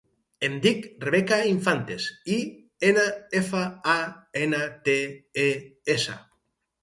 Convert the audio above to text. Em dic Rebeca Infantes: i, ena, efa, a, ena, te, e, essa.